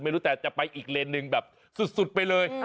ไม่รู้แต่จะไปอีกเลนหนึ่งแบบสุดไปเลย